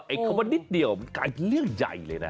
คำว่านิดเดียวมันกลายเป็นเรื่องใหญ่เลยนะ